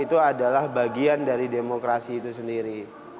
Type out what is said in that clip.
itu adalah bagian dari demokrasi itu sendiri